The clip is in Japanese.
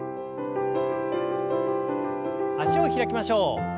脚を開きましょう。